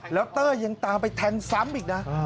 แล้วเตอร์ยังตามไปแทงซ้ำอีกนะ